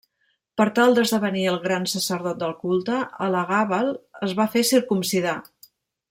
Per tal d'esdevenir el gran sacerdot del culte, Elagàbal es va fer circumcidar.